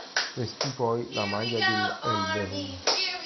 Vestì poi la maglia dell'Elverum.